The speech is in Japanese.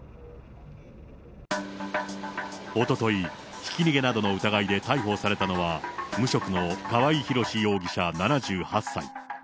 おととい、ひき逃げなどの疑いで逮捕されたのは、無職の川合広司容疑者７８歳。